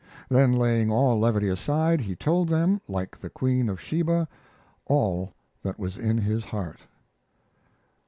Then laying all levity aside, he told them, like the Queen of Sheba, all that was in his heart.